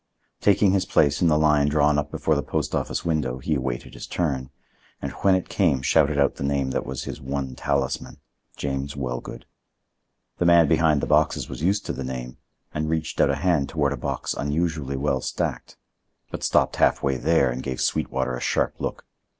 Taking his place in the line drawn up before the post office window, he awaited his turn, and when it came shouted out the name which was his one talisman—James Wellgood. The man behind the boxes was used to the name and reached out a hand toward a box unusually well stacked, but stopped half way there and gave Sweetwater a sharp look.